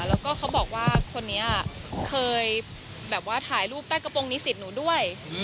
แล้วก็เขาบอกว่าคนนี้เคยแบบว่าถ่ายรูปใต้กระโปรงนิสิตหนูด้วย